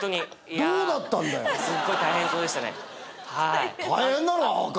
すごい大変そうでしたねはい。